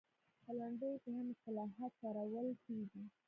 په لنډیو کې هم اصطلاحات کارول شوي دي